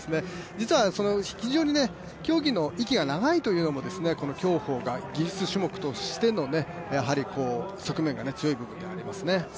実は非常に競技の息が長いというのがこの競歩が技術種目としての側面が強い部分ではありますね。